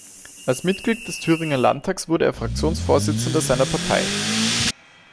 Als Mitglied des Thüringer Landtags wurde er Fraktionsvorsitzender seiner Partei.